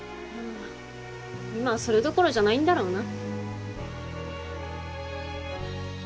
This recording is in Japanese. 今はそれどころじゃないんだろうな。